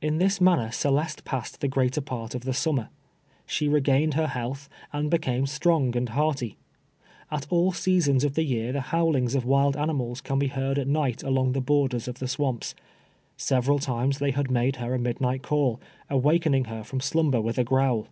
In this manner Celeste passed the greater part of the summer. She regained her health, and became strong and hearty. At all seasons of the year the howlinii s of wild animals can be heard at nio ht alon": the borders of the swamps. Several times they had made her a midnight call, awakening her from slum ber with a growl.